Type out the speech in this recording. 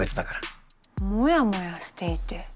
モヤモヤしていて。